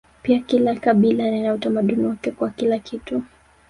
Pia kila kabila lina utamaduni wake kwa kila kitu